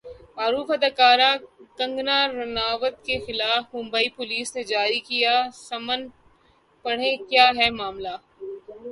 معروف اداکارہ کنگنا رناوت کے خلاف ممبئی پولیس نے جاری کیا سمن ، پڑھیں کیا ہے معاملہ